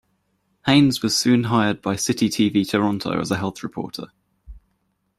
Haines was soon hired by Citytv Toronto as a health reporter.